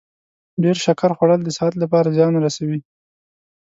ډیر شکر خوړل د صحت لپاره زیان رسوي.